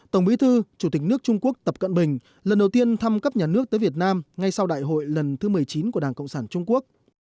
tổng bí thư chủ tịch nước trung quốc tập cận bình lần đầu tiên thăm cấp nhà nước tới việt nam ngay sau đại hội lần thứ một mươi chín của đảng cộng sản trung quốc